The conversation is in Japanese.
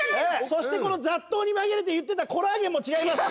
そしてこのざっとうにまぎれて言ってた「コラーゲン」もちがいます。